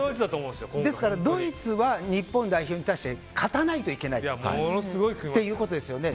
ですから、ドイツは日本代表に対して勝たないといけないということですよね。